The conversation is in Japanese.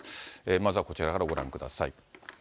まずはこちらからご覧ください。